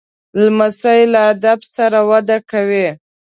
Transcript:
لمسی له ادب سره وده کوي.